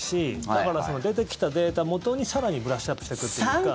だから、出てきたデータをもとに更にブラッシュアップしていくっていうか。